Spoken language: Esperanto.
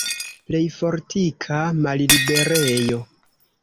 Plej fortika malliberejo!